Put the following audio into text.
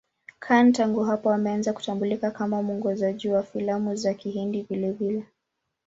Khan tangu hapo ameanza kutambulika kama mwongozaji wa filamu za Kihindi vilevile.